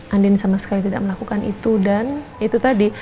andin sama sekali tidak melakukan itu dan itu tadi